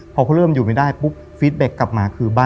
พอเขาเริ่มอยู่ไม่ได้ปุ้บ